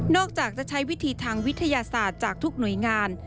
อกจากจะใช้วิธีทางวิทยาศาสตร์จากทุกหน่วยงาน